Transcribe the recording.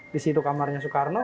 di situ kamarnya soekarno